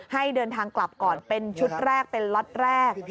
ให้เดินทางกลับก่อนเป็นชุดแรกเป็นล็อตแรก